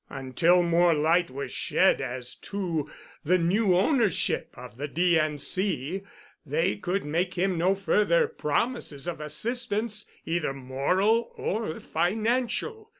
Until more light was shed as to the new ownership of the D. & C. they could make him no further promises of assistance either moral or financial.